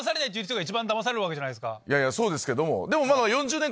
いやいやそうですけどもでも。